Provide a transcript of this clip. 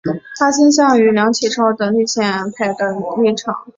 他倾向于梁启超等立宪派的立场。